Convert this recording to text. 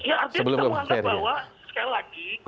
ya artinya kita menganggap bahwa sekali lagi